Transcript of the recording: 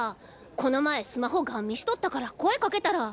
この前スマホガン見しとったから声かけたら。